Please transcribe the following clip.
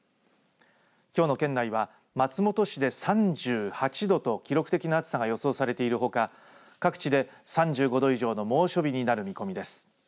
きょうの県内は松本市で３８度と記録的な暑さが予想されているほか各地で３５度以上の猛暑日になる見込みです。